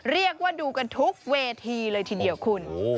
เรียกว่าดูกันทุกเวทีเลยทีเดียวคุณ